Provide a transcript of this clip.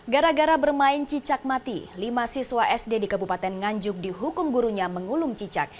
gara gara bermain cicak mati lima siswa sd di kabupaten nganjuk dihukum gurunya mengulung cicak